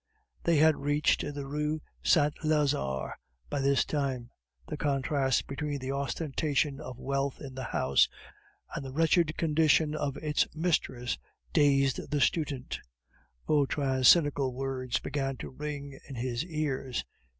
They had reached the Rue Saint Lazare by this time. The contrast between the ostentation of wealth in the house, and the wretched condition of its mistress, dazed the student; and Vautrin's cynical words began to ring in his ears.